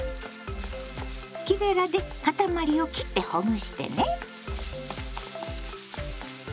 木べらでかたまりを切ってほぐしてね。